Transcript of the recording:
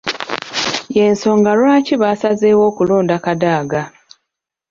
Y’ensonga lwaki baasazeewo okulonda Kadaga.